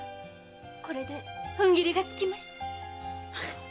これで踏ん切りがつきました。